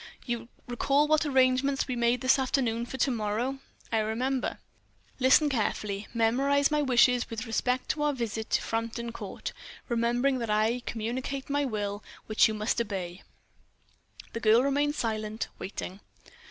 "You recall what arrangements we made this afternoon for to morrow?" "I remember." "Listen carefully. Memorize my wishes with respect to our visit to Frampton Court, remembering that I communicate my will, which you must obey." The girl remained silent, waiting.